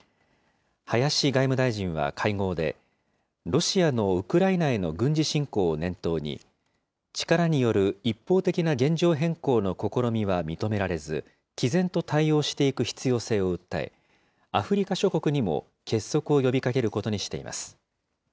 林外務大臣は会合で、ロシアのウクライナへの軍事侵攻を念頭に、力による一方的な現状変更の試みは認められず、きぜんと対応していく必要性を訴え、アフリカ諸国にも結束を呼びかけることにしています。